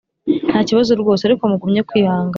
ntakibazo rwose ariko mugumye kwihangana,